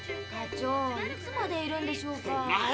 課長いつまでいるんでしょうか。